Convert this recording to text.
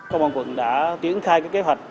công an quận đã tiến khai kế hoạch